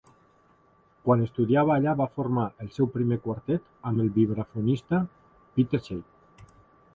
Quan estudiava allà va formar el seu primer quartet, amb el vibrafonista Peter Shade.